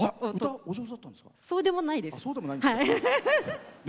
そうでもないです。